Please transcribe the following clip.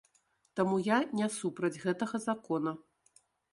Таму я не супраць гэтага закона.